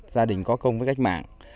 gia đình có công với cách mạng